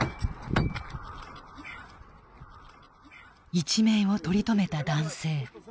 一命を取り留めた男性。